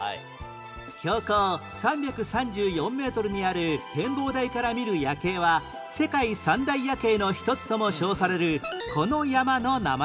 標高３３４メートルにある展望台から見る夜景は世界三大夜景の一つとも称されるこの山の名前は？